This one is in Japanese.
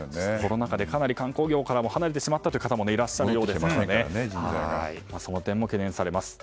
コロナ禍でかなり観光業から離れてしまった方もいらっしゃるようですからその点も懸念されます。